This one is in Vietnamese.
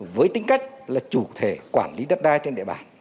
với tính cách là chủ thể quản lý đất đai trên địa bàn